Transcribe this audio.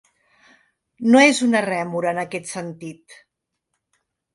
No és una rèmora en aquest sentit.